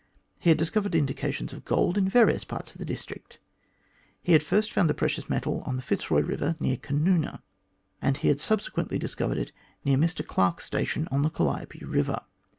He had discovered indica tions of gold in various parts of the district. He had first found the precious metal on the Fitzroy Eiver near Canoona, and he had subsequently discovered it near Mr Clarke's station on the Calliope Eiver.